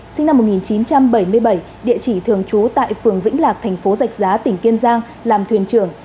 sinh năm một nghìn chín trăm bảy mươi bảy địa chỉ thường trú tại phường vĩnh lạc thành phố dạch giá tỉnh kiên giang làm thuyền trưởng